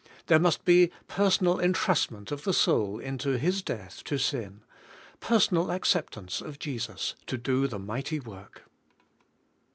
There must be personal entrustment of the soul into His death to sin, personal acceptance of Jesus to do the mighty work.